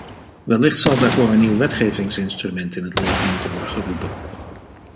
Wellicht zal daarvoor een nieuw wetgevingsinstrument in het leven moeten worden geroepen.